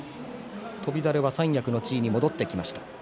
翔猿は三役の地位に戻ってきました。